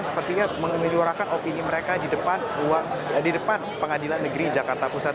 sepertinya mengeluarakan opini mereka di depan pengadilan negeri jakarta pusat